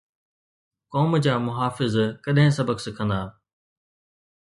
قوم جا محافظ ڪڏھن سبق سکندا؟